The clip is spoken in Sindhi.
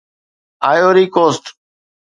Ivory coast